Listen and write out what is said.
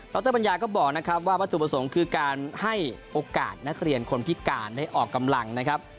รปัญญาก็บอกนะครับว่าวัตถุประสงค์คือการให้โอกาสนักเรียนคนพิการได้ออกกำลังนะครับ